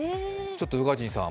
宇賀神さん